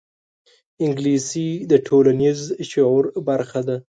انګلیسي د ټولنیز شعور برخه ده